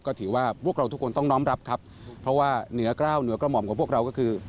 ก็ถือว่าพวกเราทุกคนต้องน้อมรับครับเพราะว่าเหนือกล้าวเหนือกระหม่อมของพวกเราก็คือ